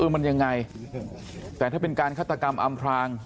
มันยังไงแต่ถ้าเป็นการฆาตกรรมอำพลาง